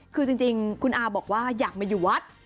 คือจริงคุณอาบอกว่าอยากมาอยู่วัด